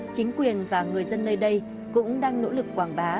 chính quyền và người dân nơi đây cũng đang nỗ lực quảng bá